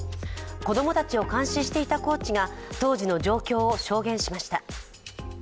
子供たちを監視していたコーチが当時の状況を証言しました。